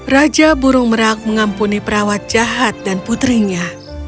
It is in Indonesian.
raja burung merak mengampuni perawat jahat dan putrinya